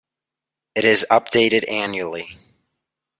It is updated annually.